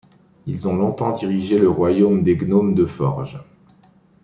Ils ont longtemps dirigé le Royaume des Gnomes de forge.